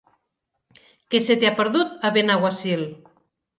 Què se t'hi ha perdut, a Benaguasil?